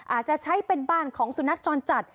อาจจะใช้เป็นบ้านของสุนัขจรจัด